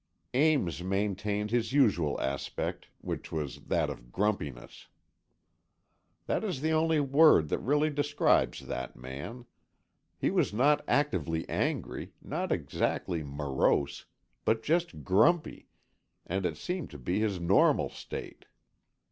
Ames maintained his usual aspect, which was that of grumpiness. That is the only word that really describes that man. He was not actively angry, not exactly morose, but just grumpy, and it seemed to be his normal state.